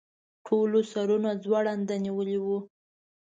ټولو سرونه ځوړند نیولي وو.